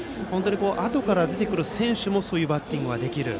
あとから出てくる選手もそういうバッティングができる。